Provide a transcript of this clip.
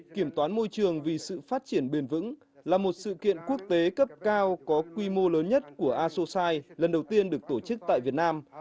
kiểm toán môi trường vì sự phát triển bền vững là một sự kiện quốc tế cấp cao có quy mô lớn nhất của asosai lần đầu tiên được tổ chức tại việt nam